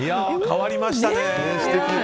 変わりましたね。